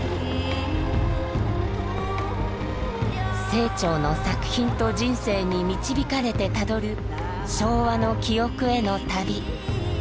清張の作品と人生に導かれてたどる昭和の記憶への旅。